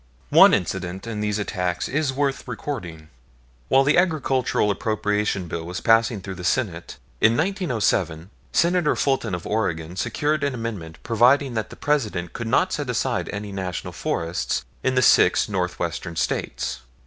One incident in these attacks is worth recording. While the Agricultural Appropriation Bill was passing through the Senate, in 1907, Senator Fulton, of Oregon, secured an amendment providing that the President could not set aside any additional National Forests in the six Northwestern States.